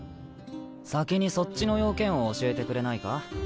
先にそっちの用件を教えてくれないか？